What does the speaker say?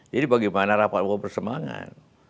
jadi bagaimana rapat bersemangat